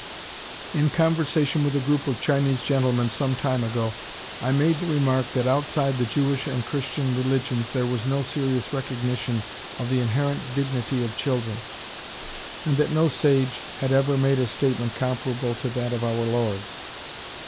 In conversation with a group of Chinese gentlemen some time ago, I made the remark that outside the Jewish and Christian religions there was no serious recognition of the inherent dignity of children, and that no sage had ever made a statement comparable to that of our Lord.